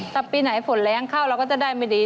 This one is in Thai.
ถ้าปีไหนฝนแรงเข้าเราก็จะได้ไม่ดี